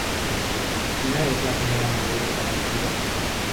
Quina és la primera mesura preventiva?